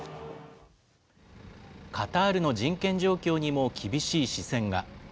カタールの人権状況にも厳しい視線が。